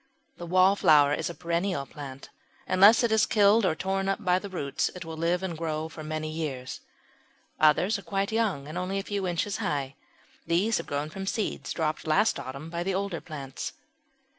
The Wallflower is a perennial plant; unless it is killed or torn up by the roots it will live and grow for many years. Others are quite young and only a few inches high. These have grown from seeds dropped last autumn by the older plants.